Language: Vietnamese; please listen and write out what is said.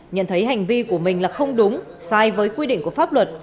nhận thấy hành vi của mình là không đúng sai với quy định của pháp luật